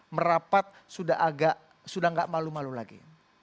merapat sudah agak sudah nggak malu malu lagi